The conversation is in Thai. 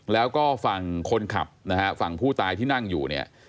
แล้วก็ฝั่งคนขับนะฮะฝั่งผู้ตายที่นั่งอยู่เนี่ย